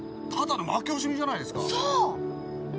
ただの負け惜しみじゃないですか。